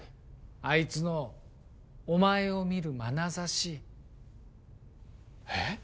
あいつのお前を見るまなざしええっ？